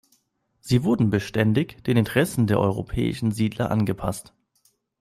Sie wurden beständig den Interessen der europäischen Siedler angepasst.